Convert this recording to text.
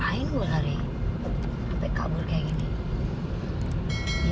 aku semua atauh better di surga lire